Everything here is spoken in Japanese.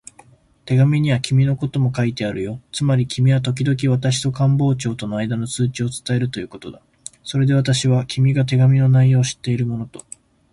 手紙には君のことも書いてあるよ。つまり君はときどき私と官房長とのあいだの通知を伝えるということだ。それで私は、君が手紙の内容を知っているものと